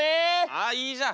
ああいいじゃん